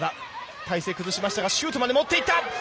体勢を崩しましたがシュートまで持っていった。